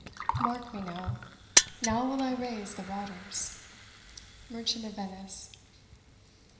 Mark me now: Now will I raise the waters. Merchant of Venice.